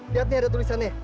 lihat nih ada tulisannya